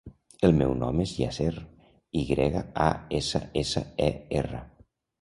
El meu nom és Yasser: i grega, a, essa, essa, e, erra.